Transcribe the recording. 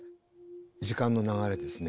時間の流れですね。